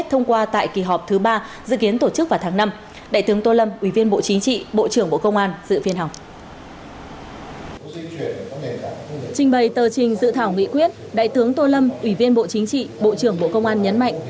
trong thờ trình dự thảo nghị quyết đại tướng tô lâm ủy viên bộ chính trị bộ trưởng bộ công an nhấn mạnh